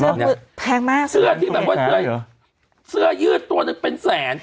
น่ะที่แผงมากเสื้อที่แบบว่าสุดท้ายเสื้อยืดตัวมันเป็นแสน